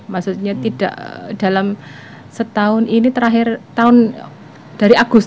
maksudnya tidak dalam setahun ini terakhir tahun dari agus